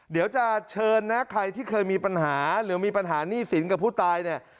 เดี๋ยวจะเชิญนะใครที่เคยมีปัญหาหรือมีปัญหาหนี้สินกับผู้ตายเนี่ย